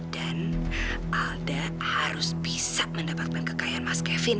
dan alda harus bisa mendapatkan kekayaan mas kevin